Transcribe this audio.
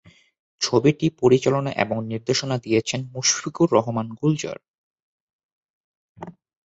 ছবিটি পরিচালনা এবং নির্দেশনা দিয়েছেন মুশফিকুর রহমান গুলজার।